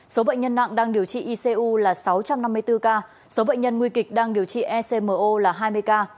số bệnh nhân nặng đang điều trị icu là sáu trăm năm mươi bốn ca số bệnh nhân nguy kịch đang điều trị ecmo là hai mươi ca